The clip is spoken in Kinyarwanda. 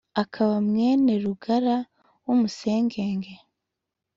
akaba mwene rugara w’umusegege